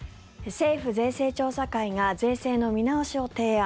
政府税制調査会が税制の見直しを提案。